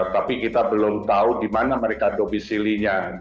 tapi kita belum tahu di mana mereka domisilinya